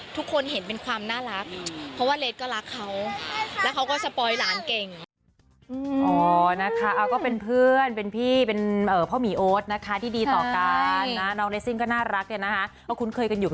ทุกคนเห็นเป็นความน่ารักเพราะว่าเลสก็รักเขา